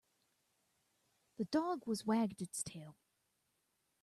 The dog was wagged its tail.